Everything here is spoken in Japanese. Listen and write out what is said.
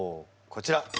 こちら。